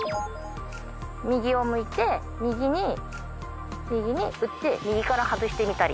右を向いて右に打って右から外してみたり。